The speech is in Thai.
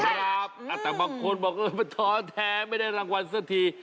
ครับแต่บางคนบอกว่าท้อแท้ไม่ได้รางวัลเสร็จที